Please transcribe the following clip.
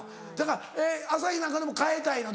えっ朝日なんかでも変えたいの？